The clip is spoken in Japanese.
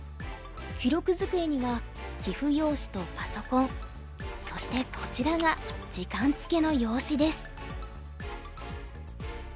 記録机には棋譜用紙とパソコンそしてこちらが時間付けの用紙です。